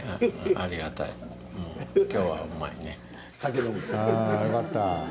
ああよかった。